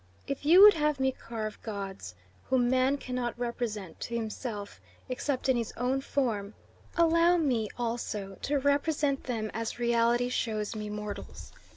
If you would have me carve gods, whom man can not represent to himself except in his own form, allow me also to represent them as reality shows me mortals.